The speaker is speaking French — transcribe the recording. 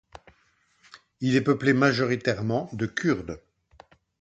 Il est peuplé majoritairement de Kurdes.